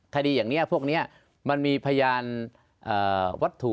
คดีอย่างนี้พวกนี้มันมีพยานวัตถุ